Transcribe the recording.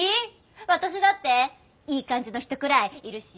私だっていい感じの人くらいいるし。